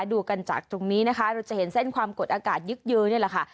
ดูกันจากตรงนี้นะคะเราจะเห็นเส้นความกดอากาศยึกเยอะนี่แหละค่ะ